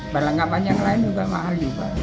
berlengkapan yang lain juga mahal juga